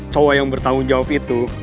cowok yang bertanggung jawab itu